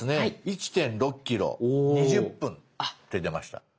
「１．６ｋｍ２０分」って出ました。